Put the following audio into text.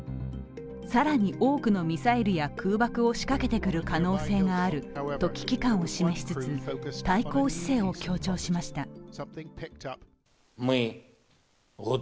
更に多くのミサイルや空爆を仕掛けてくる可能性があると危機感を示しつつ対抗姿勢を強調しました。